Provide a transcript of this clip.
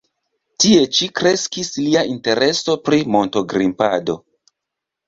Tie ĉi kreskis lia intereso pri monto-grimpado.